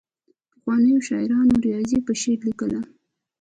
پخوانیو شاعرانو ریاضي په شعر لیکله.